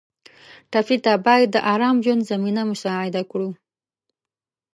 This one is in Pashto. ټپي ته باید د ارام ژوند زمینه مساعده کړو.